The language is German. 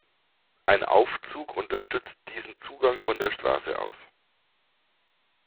Ein Aufzug unterstützt diesen Zugang von der Straße aus.